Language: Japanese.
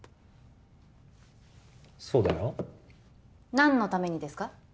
そうだよ何のためにですか？